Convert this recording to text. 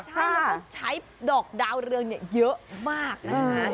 ใช่ใช้ดอกดาวเรืองเยอะมากนะ